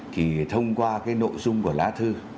thì thông qua cái nội dung của lá thư